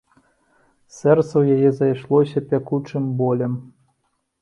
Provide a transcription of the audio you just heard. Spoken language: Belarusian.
Сэрца ў яе зайшлося пякучым болем.